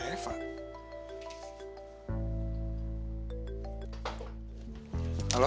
aduh aku mau tidur dulu